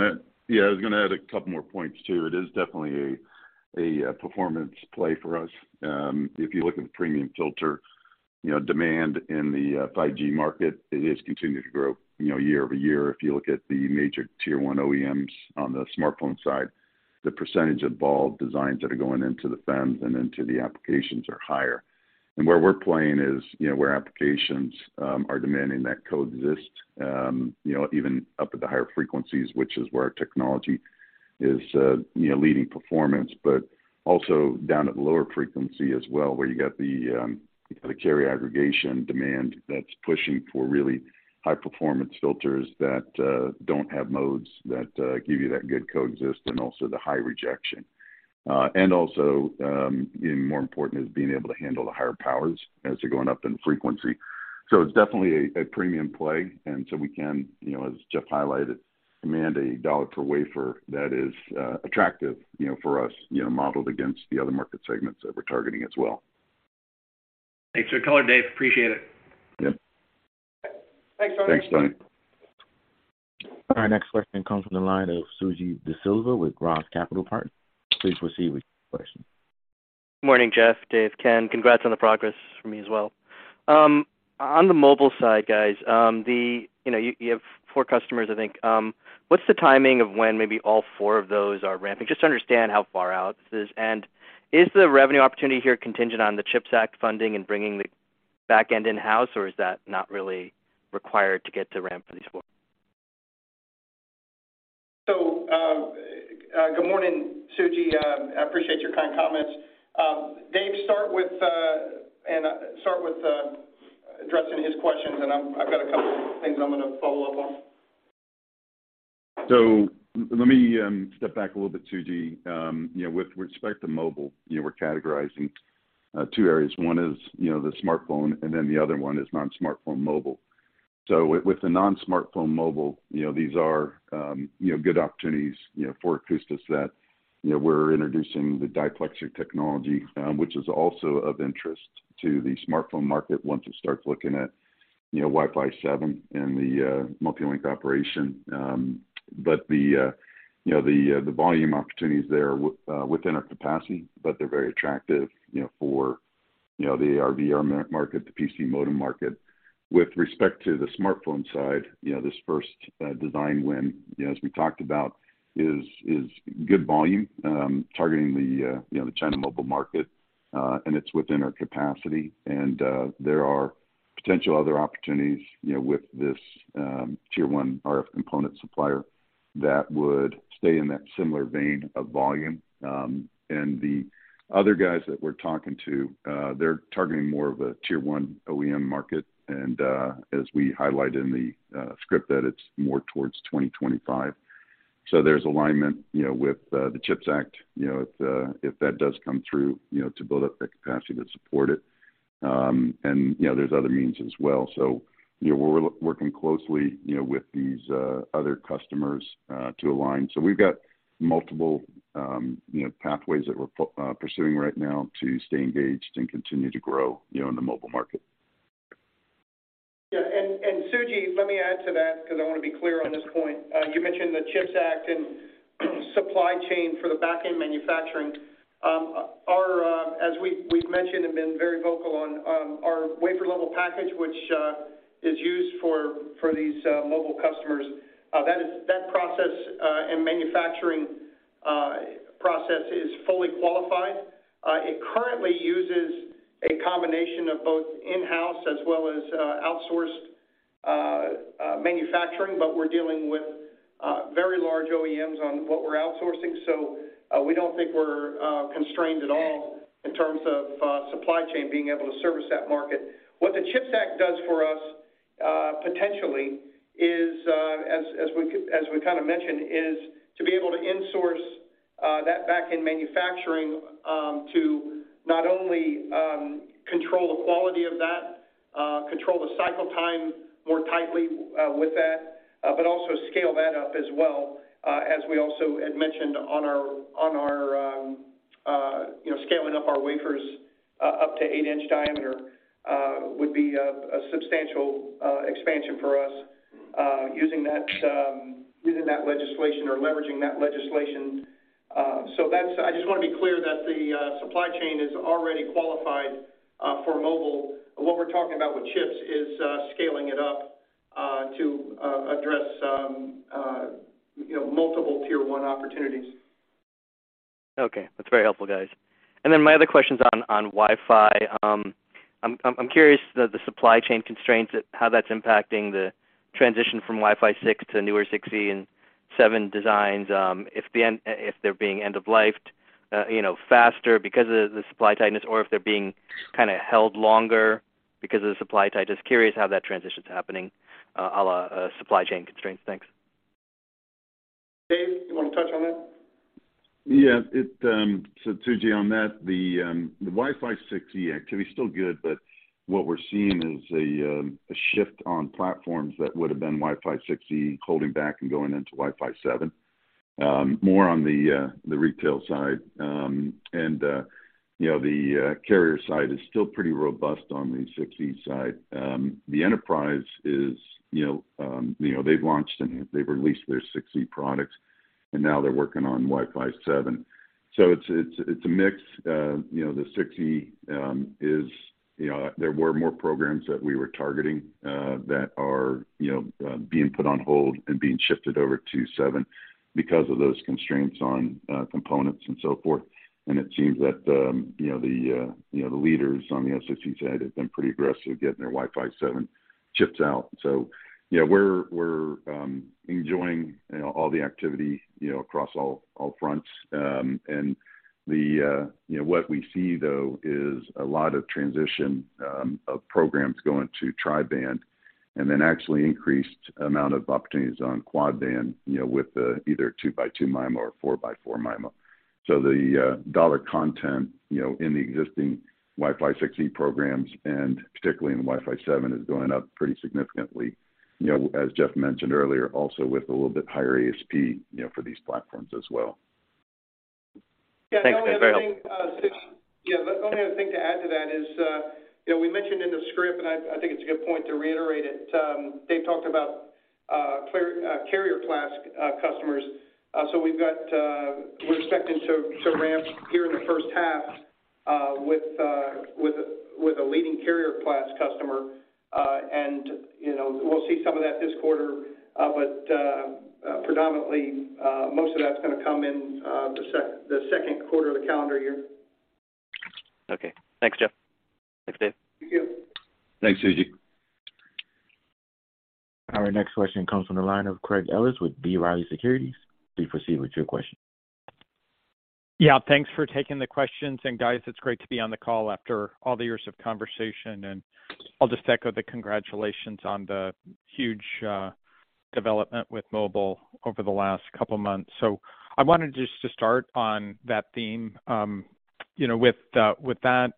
Yeah, I was gonna add a couple more points too. It is definitely a performance play for us. If you look at the premium filter, you know, demand in the 5G market, it is continuing to grow, you know, year-over-year. If you look at the major Tier-1 OEMs on the smartphone side, the percentage of BAW designs that are going into the FEMs and into the applications are higher. Where we're playing is, you know, where applications are demanding that coexist, you know, even up at the higher frequencies, which is where our technology is, you know, leading performance, but also down at the lower frequency as well, where you got the, you got the carrier aggregation demand that's pushing for really high performance filters that don't have modes that give you that good coexist and also the high rejection. Also, you know, more important is being able to handle the higher powers as they're going up in frequency. It's definitely a premium play, and so we can, you know, as Jeff highlighted, command a dollar per wafer that is attractive, you know, for us, you know, modeled against the other market segments that we're targeting as well.
Thanks for the color, Dave. Appreciate it.
Yep.
Thanks, Tony.
Thanks, Tony.
Our next question comes from the line of Suji Desilva with ROTH Capital Partners. Please proceed with your question.
Good morning, Jeff, Dave, Ken. Congrats on the progress from me as well. On the mobile side, guys, you know, you have four customers, I think. What's the timing of when maybe all four of those are ramping? Just to understand how far out this is. Is the revenue opportunity here contingent on the CHIPS Act funding and bringing the back end in-house, or is that not really required to get to ramp for these four? Good morning, Suji. I appreciate your kind comments. Dave, start with, and start with, addressing his questions, and I've got a couple things I'm gonna follow up on.
Let me step back a little bit, Suji. You know, with respect to mobile, you know, we're categorizing two areas. One is, you know, the smartphone, and then the other one is non-smartphone mobile. With the non-smartphone mobile, you know, these are, you know, good opportunities, you know, for Akoustis that, you know, we're introducing the diplexer technology, which is also of interest to the smartphone market once it starts looking at, you know, Wi-Fi 7 and the multi-link operation. The, you know, the volume opportunities there within our capacity, but they're very attractive, you know, for, you know, the AR/VR market, the PC modem market. With respect to the smartphone side, you know, this first design win, you know, as we talked about, is good volume, targeting the China Mobile market, and it's within our capacity. There are potential other opportunities, you know, with this Tier-1 RF component supplier that would stay in that similar vein of volume. The other guys that we're talking to, they're targeting more of a Tier-1 OEM market, and as we highlighted in the script, that it's more towards 2025. There's alignment, you know, with the CHIPS Act, you know, if that does come through, you know, to build up the capacity to support it. There's other means as well. You know, we're working closely, you know, with these, other customers, to align. We've got multiple, you know, pathways that we're pursuing right now to stay engaged and continue to grow, you know, in the mobile market.
Yeah. Suji, let me add to that because I wanna be clear on this point. You mentioned the CHIPS Act and supply chain for the back-end manufacturing. Our, as we've mentioned and been very vocal on, our wafer level package, which is used for these mobile customers, that process and manufacturing process is fully qualified. It currently uses a combination of both in-house as well as outsourced manufacturing, but we're dealing with very large OEMs on what we're outsourcing, so we don't think we're constrained at all in terms of supply chain being able to service that market. What the CHIPS Act does for us, potentially is, as we mentioned, is to be able to insource that back-end manufacturing, to not only control the quality of that, control the cycle time more tightly with that, but also scale that up as well. As we also had mentioned on our, you know, scaling up our wafers up to 8-inch diameter would be a substantial expansion for us, using that legislation or leveraging that legislation. I just wanna be clear that the supply chain is already qualified for mobile. What we're talking about with chips is scaling it up to address, you know, multiple Tier-1 opportunities.
Okay. That's very helpful, guys. My other question's on Wi-Fi. I'm curious the supply chain constraints, how that's impacting the transition from Wi-Fi 6 to newer 6E and 7 designs, if they're being end-of-lifed, you know, faster because of the supply tightness or if they're being kinda held longer because of the supply tight. Just curious how that transition's happening, à la, supply chain constraints. Thanks.
Dave, you wanna touch on that?
Yeah. It. So Suji, on that, the Wi-Fi 6E activity is still good, but what we're seeing is a shift on platforms that would've been Wi-Fi 6E holding back and going into Wi-Fi 7, more on the retail side. You know, the carrier side is still pretty robust on the 6E side. The enterprise is, you know, they've launched and they've released their 6E products, and now they're working on Wi-Fi 7. It's a mix. You know, the 6E is, you know, there were more programs that we were targeting that are, you know, being put on hold and being shifted over to 7 because of those constraints on components and so forth. It seems that, you know, the, you know, the leaders on the 6E side have been pretty aggressive getting their Wi-Fi 7 chips out. Yeah, we're enjoying, you know, all the activity, you know, across all fronts. The, you know, what we see though is a lot of transition of programs going to tri-band, and then actually increased amount of opportunities on quad band, you know, with either 2x2 MIMO or 4x4 MIMO. The dollar content, you know, in the existing Wi-Fi 6E programs, and particularly in the Wi-Fi 7, is going up pretty significantly. You know, as Jeff mentioned earlier, also with a little bit higher ASP, you know, for these platforms as well.
Yeah. Thanks, guys. Very helpful.
Yeah. The only other thing, Suji, to add to that is, you know, we mentioned in the script, and I think it's a good point to reiterate it. Dave talked about carrier class customers. We've got, we're expecting to ramp here in the first half with a leading carrier class customer. You know, we'll see some of that this quarter. Predominantly, most of that's gonna come in the second quarter of the calendar year.
Okay. Thanks, Jeff. Thanks, Dave.
Thank you.
Thanks, Suji.
Our next question comes from the line of Craig Ellis with B Riley Securities. Please proceed with your question.
Yeah. Thanks for taking the questions. Guys, it's great to be on the call after all the years of conversation, and I'll just echo the congratulations on the huge development with Mobile over the last couple months. I wanted just to start on that theme. You know, with that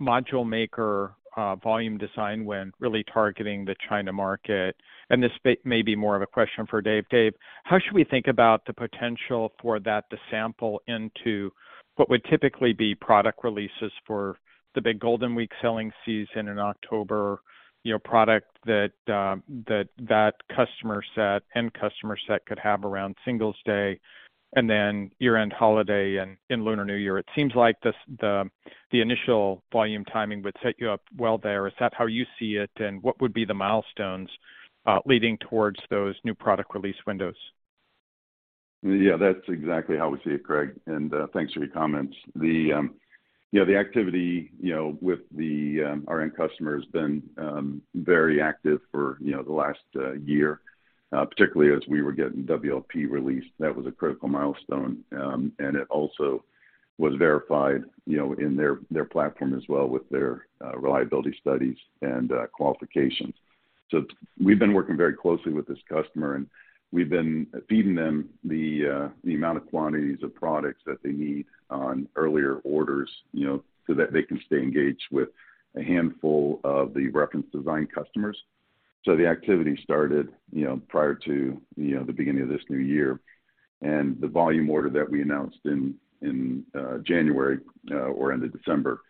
module maker, volume design win really targeting the China market. This may be more of a question for Dave. Dave, how should we think about the potential for that to sample into what would typically be product releases for the big Golden Week selling season in October, you know, product that customer set, end customer set could have around Singles Day and then year-end holiday in Lunar New Year? It seems like this, the initial volume timing would set you up well there. Is that how you see it? What would be the milestones, leading towards those new product release windows?
Yeah. That's exactly how we see it, Craig. Thanks for your comments. The activity, you know, with the our end customer has been very active for, you know, the last year, particularly as we were getting WLP released. That was a critical milestone. It also was verified, you know, in their platform as well with their reliability studies and qualifications. We've been working very closely with this customer, and we've been feeding them the amount of quantities of products that they need on earlier orders, you know, so that they can stay engaged with a handful of the reference design customers. The activity started, you know, prior to, you know, the beginning of this new year. The volume order that we announced in January or end of December,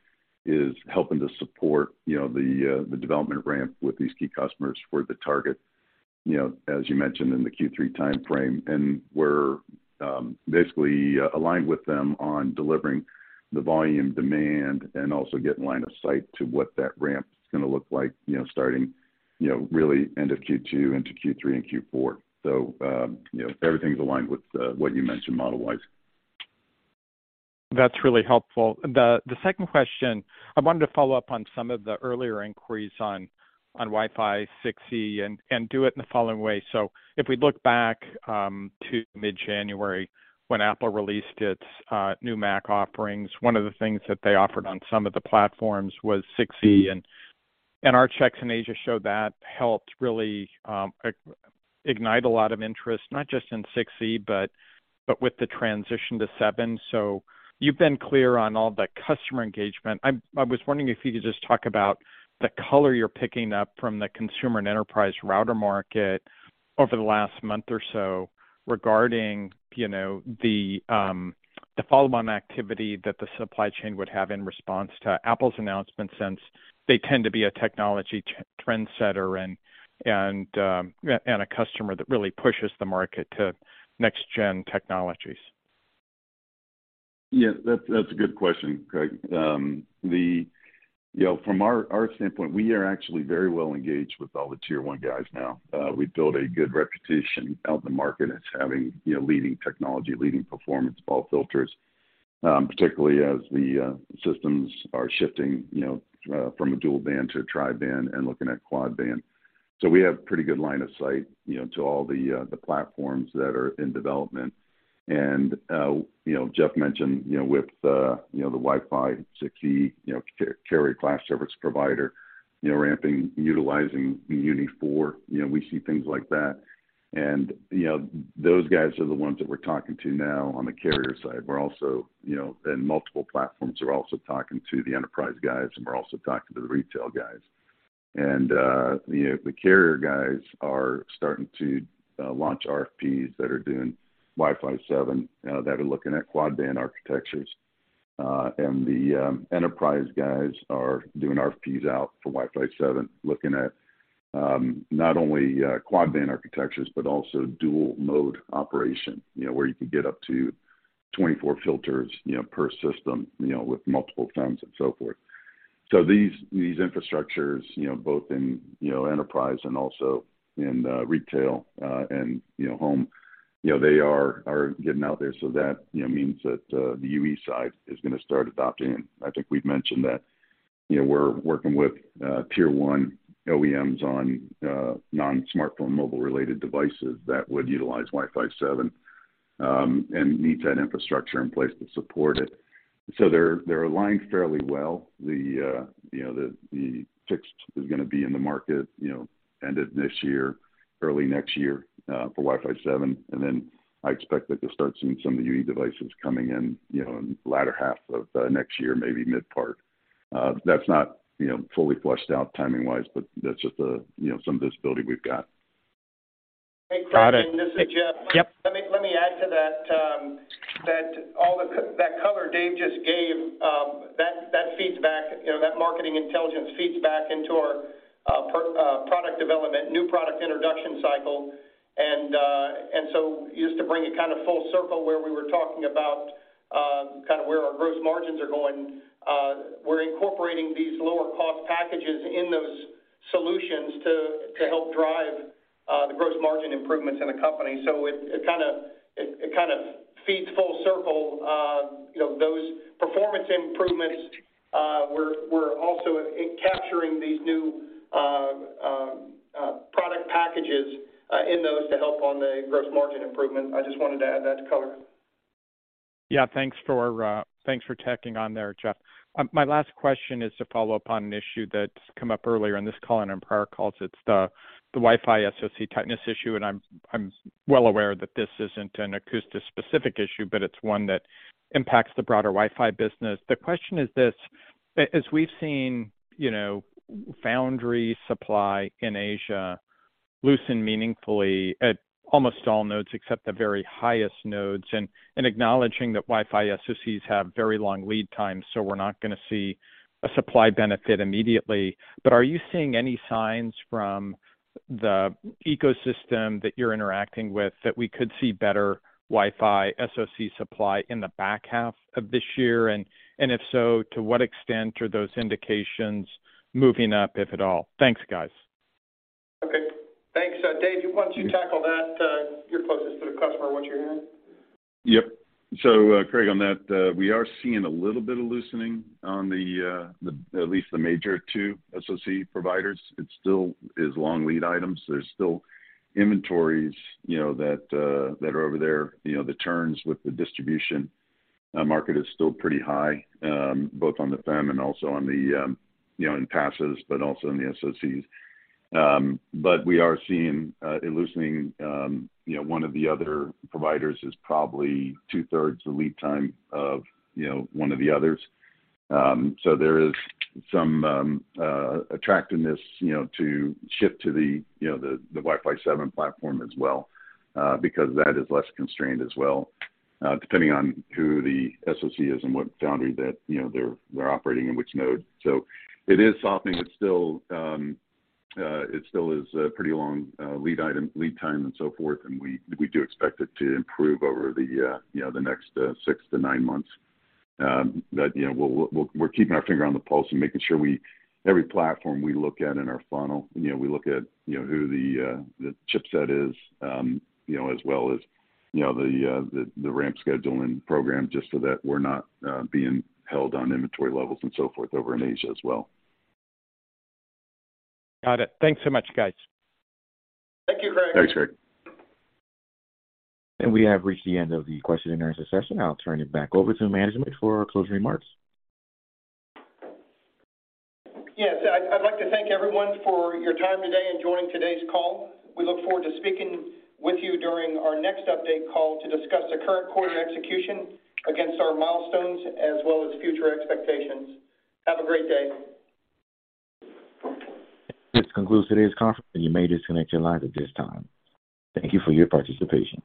is helping to support, you know, the development ramp with these key customers for the target, you know, as you mentioned in the Q3 timeframe. We're basically aligned with them on delivering the volume demand and also getting line of sight to what that ramp's gonna look like, you know, starting, you know, really end of Q2 into Q3 and Q4. You know, everything's aligned with what you mentioned model-wise.
That's really helpful. The second question, I wanted to follow up on some of the earlier inquiries on Wi-Fi 6E and do it in the following way. If we look back to mid-January when Apple released its new Mac offerings, one of the things that they offered on some of the platforms was 6E. Our checks in Asia show that helped really ignite a lot of interest, not just in 6E, but with the transition to 7. You've been clear on all the customer engagement. I was wondering if you could just talk about the color you're picking up from the consumer and enterprise router market over the last month or so regarding, you know, the follow-on activity that the supply chain would have in response to Apple's announcement, since they tend to be a technology trendsetter and a customer that really pushes the market to next gen technologies.
Yeah, that's a good question, Craig. You know, from our standpoint, we are actually very well engaged with all the Tier-1 guys now. We've built a good reputation out in the market as having, you know, leading technology, leading performance, BAW filters, particularly as the systems are shifting, you know, from a dual band to a tri-band and looking at quad band. We have pretty good line of sight, you know, to all the platforms that are in development. You know, Jeff mentioned, you know, with the, you know, the Wi-Fi 6E, you know, carrier class service provider, you know, ramping, utilizing the UE4, you know, we see things like that. You know, those guys are the ones that we're talking to now on the carrier side. We're also, you know, in multiple platforms, we're also talking to the enterprise guys, and we're also talking to the retail guys. You know, the carrier guys are starting to launch RFPs that are doing Wi-Fi 7, that are looking at quad band architectures. The enterprise guys are doing RFPs out for Wi-Fi 7, looking at, not only quad band architectures, but also dual mode operation, you know, where you can get up to 24 filters, you know, per system, you know, with multiple FEMs and so forth. These infrastructures, you know, both in, you know, enterprise and also in retail, and, you know, home, you know, they are getting out there. That, you know, means that the UE side is gonna start adopting. I think we've mentioned that, you know, we're working with Tier-1 OEMs on non-smartphone mobile related devices that would utilize Wi-Fi 7 and need to have infrastructure in place to support it. They're aligned fairly well. The fix is gonna be in the market, you know, end of this year, early next year, for Wi-Fi 7. I expect that you'll start seeing some of the UE devices coming in, you know, in the latter half of next year, maybe mid-part. That's not, you know, fully fleshed out timing wise, but that's just, you know, some visibility we've got.
Got it.
Hey, Craig, this is Jeff.
Yep.
Let me add to that all the color Dave just gave, that feeds back. You know, that marketing intelligence feeds back into our product development, new product introduction cycle. Just to bring it kind of full circle where we were talking about kind of where our gross margins are going, we're incorporating these lower cost packages in those solutions to help drive the gross margin improvements in the company. It kind of feeds full circle. You know, those performance improvements, we're also capturing these new product packages in those to help on the gross margin improvement. I just wanted to add that color.
Yeah, thanks for, thanks for checking on there, Jeff. My last question is to follow up on an issue that's come up earlier in this call and in prior calls. It's the Wi-Fi SoC tightness issue, and I'm well aware that this isn't an Akoustis-specific issue, but it's one that impacts the broader Wi-Fi business. The question is this: as we've seen, you know, foundry supply in Asia loosen meaningfully at almost all nodes except the very highest nodes, and acknowledging that Wi-Fi SoCs have very long lead times, so we're not gonna see a supply benefit immediately. Are you seeing any signs from the ecosystem that you're interacting with that we could see better Wi-Fi SoC supply in the back half of this year? If so, to what extent are those indications moving up, if at all? Thanks, guys.
Okay, thanks. Dave, why don't you tackle that? You're closest to the customer, what you're hearing.
Yep. Craig, on that, we are seeing a little bit of loosening on at least the major two SoC providers. It still is long lead items. There's still inventories, you know, that are over there. You know, the turns with the distribution market is still pretty high, both on the FEM and also on the, you know, in passes, but also in the SoCs. We are seeing it loosening, you know, one of the other providers is probably two-thirds the lead time of, you know, one of the others. There is some attractiveness, you know, to ship to the, you know, the Wi-Fi 7 platform as well, because that is less constrained as well, depending on who the SoC is and what foundry that, you know, they're operating in which node. It is softening. It's still a pretty long lead item, lead time and so forth, and we do expect it to improve over the, you know, the next six to nine months. That, you know, we're keeping our finger on the pulse and making sure we every platform we look at in our funnel, you know, we look at, you know, who the chipset is, you know, as well as, you know, the ramp schedule and program, just so that we're not being held on inventory levels and so forth over in Asia as well.
Got it. Thanks so much, guys.
Thank you, Craig.
Thanks, Craig.
We have reached the end of the question-and-answer session. I'll turn it back over to management for closing remarks.
Yes. I'd like to thank everyone for your time today and joining today's call. We look forward to speaking with you during our next update call to discuss the current quarter execution against our milestones as well as future expectations. Have a great day.
This concludes today's conference, and you may disconnect your lines at this time. Thank you for your participation.